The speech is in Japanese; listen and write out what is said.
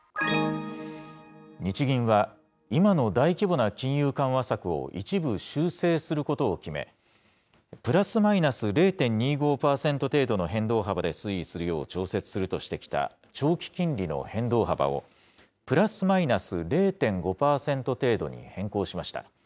日銀は、今の大規模な金融緩和策を一部修正することを決め、プラスマイナス０．２５％程度の変動幅で推移するよう調節するとしてきた長期金利の変動幅を、プラスマイナス０．５％程度に変更しました。